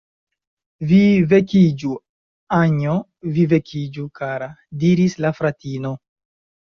"Vi vekiĝu, Anjo, vi vekiĝu, kara," diris la fratino.